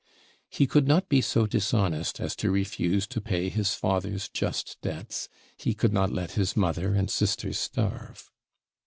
He could not be so dishonest as to refuse to pay his father's just debts; he could not let his mother and sisters starve.